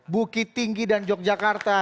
bukit tinggi sama yogyakarta